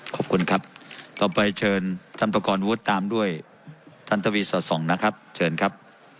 ขอบคุณครับต่อไปเชิญท่านประกอบวุฒิตามด้วยท่านทวีสอดส่องนะครับเชิญครับ